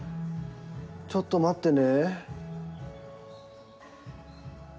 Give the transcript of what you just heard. ちょっと待ってね。